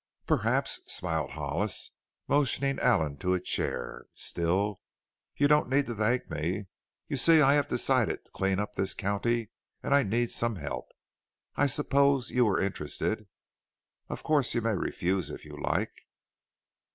"Perhaps," smiled Hollis, motioning Allen to a chair. "Still, you don't need to thank me. You see, I have decided to clean up this county and I need some help. I supposed you were interested. Of course you may refuse if you like."